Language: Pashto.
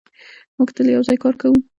موږ تل یو ځای کار کوو.